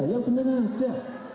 yang benar aja